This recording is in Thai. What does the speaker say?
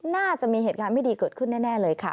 น่าจะมีเหตุการณ์ไม่ดีเกิดขึ้นแน่เลยค่ะ